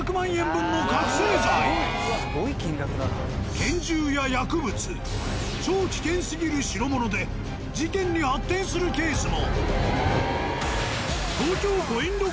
拳銃や薬物超危険すぎる代物で事件に発展するケースも。